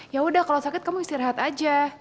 ya udah kalau sakit kamu istirahat aja